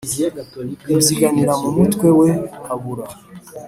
bibyiganira mu mutwe we abura